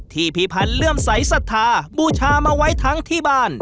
พี่พันธ์เลื่อมใสสัทธาบูชามาไว้ทั้งที่บ้าน